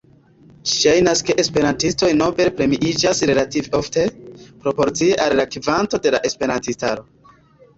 Ŝajnas ke esperantistoj Nobel-premiiĝas relative ofte, proporcie al la kvanto de la esperantistaro.